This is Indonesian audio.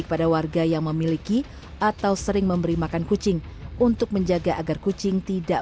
kepada warga yang memiliki atau sering memberi makan kucing untuk menjaga agar kucing tidak